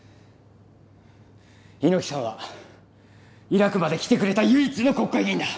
猪木さんはイラクまで来てくれた唯一の国会議員だ。